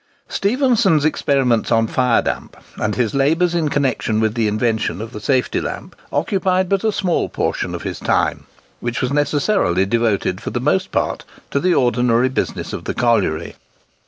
Stephenson's experiments on fire damp, and his labours in connexion with the invention of the safety lamp, occupied but a small portion of his time, which was necessarily devoted for the most part to the ordinary business of the colliery.